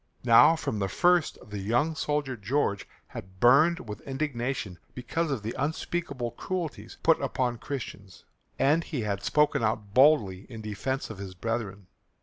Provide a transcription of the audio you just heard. Now from the first the young soldier George had burned with indignation because of the unspeakable cruelties put upon Christians, and he had spoken out boldly in defence of his brethren.